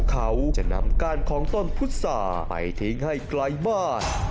เขาจะนำก้านของต้นพุษาไปทิ้งให้ไกลบ้าน